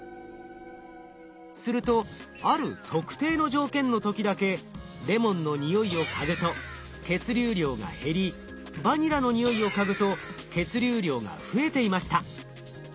するとある特定の条件の時だけレモンの匂いを嗅ぐと血流量が減りバニラの匂いを嗅ぐと血流量が増えていました。